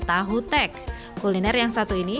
tahu tek kuliner yang satu ini